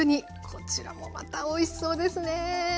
こちらもまたおいしそうですね。